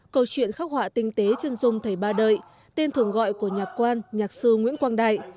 câu chuyện khắc họa tinh tế chân dung thầy ba đợi tên thường gọi của nhạc quan nhạc sư nguyễn quang đại